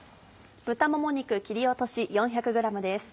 豚もも肉切り落とし４００ｇです。